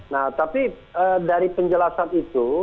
nah tapi dari penjelasan itu